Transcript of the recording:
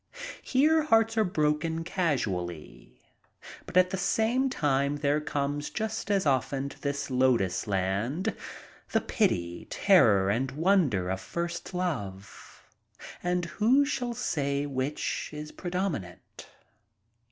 ~ Here hearts are broken cas ually, but at the same time there comes just as often to this lotus land the pity, terror, and wonder of first love, and who shall say which is predominant